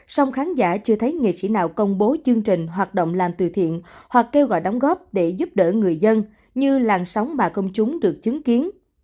sông khán giả chưa thấy nghệ sĩ nào công bố chương trình hoạt động làm từ thiện hoặc kêu gọi đóng góp để giúp đỡ người dân như làn sóng mà công chúng được chứng kiến